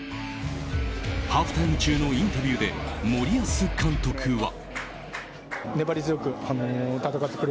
ハーフタイム中のインタビューで森保監督は。